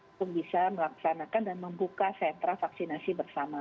untuk bisa melaksanakan dan membuka sentra vaksinasi bersama